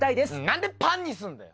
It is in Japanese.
何でパンにすんだよ！